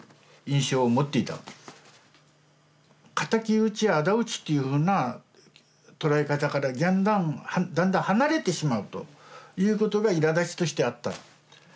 仇討ちやあだ討ちっていうふうな捉え方からだんだん離れてしまうということがいらだちとしてあった。